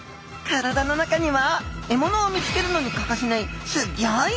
体の中には獲物を見つけるのに欠かせないすギョい